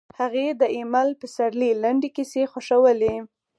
هغې د ایمل پسرلي لنډې کیسې خوښولې